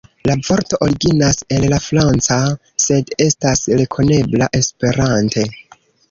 La vorto originas el la franca, sed estas rekonebla Esperante.